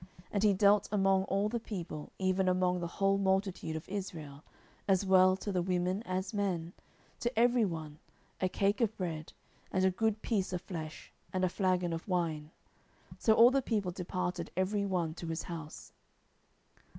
10:006:019 And he dealt among all the people, even among the whole multitude of Israel, as well to the women as men, to every one a cake of bread, and a good piece of flesh, and a flagon of wine. So all the people departed every one to his house.